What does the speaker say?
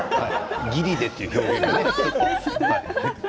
ギリという表現がね。